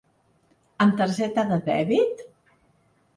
Amb targeta de dèbit?